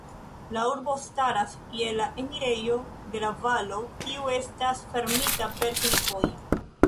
La urbo staras je la enirejo de la valo, kiu estas fermita per klifoj.